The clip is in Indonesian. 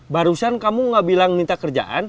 barusan kamu gak bilang minta kerjaan